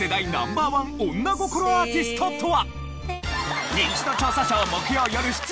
１女心アーティストとは？